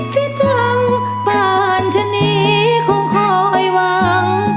สิเจ้าป่านชะนีคงคอยหวัง